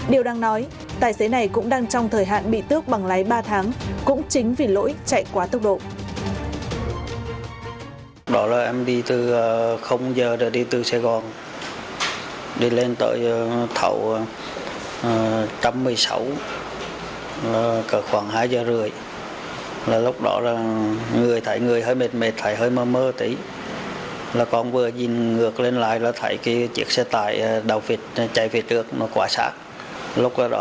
điều đang nói tài xế này cũng đang trong thời hạn bị tước bằng lái ba tháng cũng chính vì lỗi chạy quá tốc độ